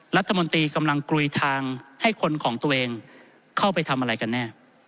รัฐมนตรีกำลังกลุยทางให้คนของตัวเองเข้าไปทำอะไรกันแน่